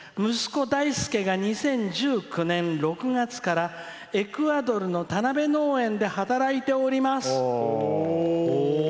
「息子、だいすけが２０１９年から６月からエクアドルの田辺農園で働いております。